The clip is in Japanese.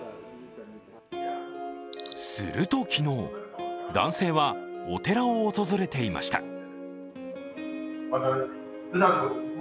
すると昨日、男性はお寺を訪れていました。